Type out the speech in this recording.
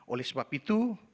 oleh sebab itu